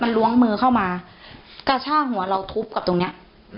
ล้วงมือเข้ามากระชากหัวเราทุบกับตรงเนี้ย